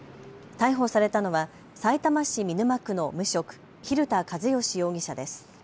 逮捕されたのはさいたま市見沼区の無職、蛭田和良容疑者です。